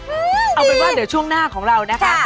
เอาเป็นว่าเดี๋ยวช่วงหน้าของเรานะคะ